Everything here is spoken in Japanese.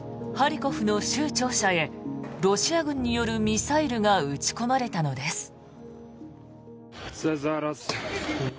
ハリコフの州庁舎へロシア軍によるミサイルが撃ち込まれたのです。